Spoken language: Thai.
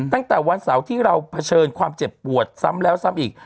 ตั้งแต่วันเสาร์ที่เราเผชิญความเจ็บปวดซ้ำแล้วซ้ำอีก